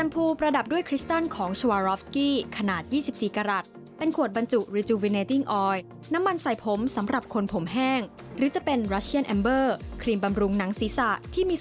โปรดติดตามตอนต่อไป